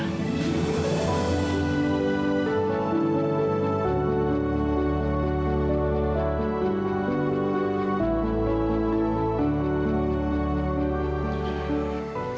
aku mau pergi ke rumah